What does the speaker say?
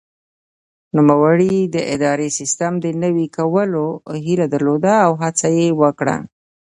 نوموړي د اداري سیسټم د نوي کولو هیله درلوده او هڅه یې وکړه.